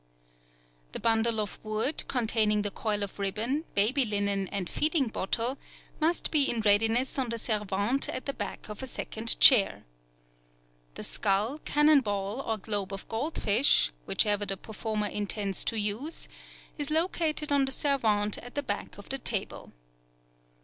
The bundle of wood, containing the coil of ribbon, baby linen, and feeding bottle, must be in readiness on the servante at the back of a second chair. The skull, cannon ball, or globe of gold fish, whichever the performer intends to use, is located on the servante at the back of the table.